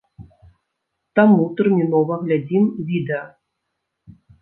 Таму тэрмінова глядзім відэа!